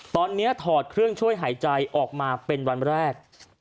ตอนนี้ถอดเครื่องช่วยหายใจออกมาเป็นวันแรก